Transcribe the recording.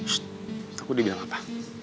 sst aku udah bilang apa